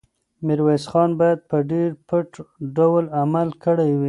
میرویس خان باید په ډېر پټ ډول عمل کړی وی.